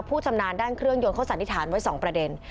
ชำนาญด้านเครื่องยนต์เขาสันนิษฐานไว้๒ประเด็น